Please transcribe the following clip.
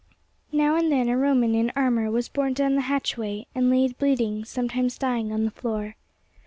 Now and then a Roman in armor was borne down the hatchway, and laid bleeding, sometimes dying, on the floor.